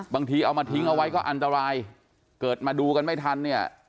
บางทีเอามาทิ้งเอาไว้ก็อันตรายเกิดมาดูกันไม่ทันเนี่ย